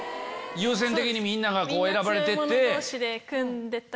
優先的にみんなが選ばれて行って。